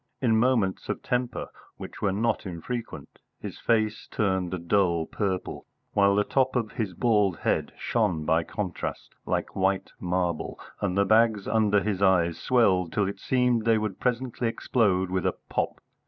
In moments of temper, which were not infrequent, his face turned a dull purple, while the top of his bald head shone by contrast like white marble, and the bags under his eyes swelled till it seemed they would presently explode with a pop.